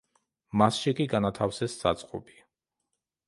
მასში კი განათავსეს საწყობი.